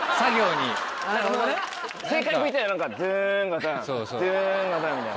正解のＶＴＲ何かドゥンガタンドゥンガタンみたいな。